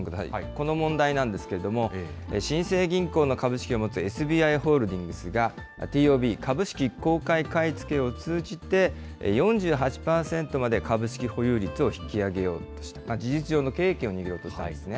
この問題なんですけれども、新生銀行の株式を持つＳＢＩホールディングスが、ＴＯＢ・株式公開買い付けを通じて、４８％まで株式保有率を引き上げようとし、事実上の経営権を握ろうとしたんですね。